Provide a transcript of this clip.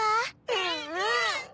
うんうん！